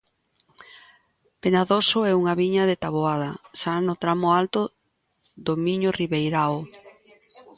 Penadoso é unha viña de Taboada, xa no tramo alto do Miño ribeirao.